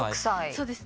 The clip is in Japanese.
そうです。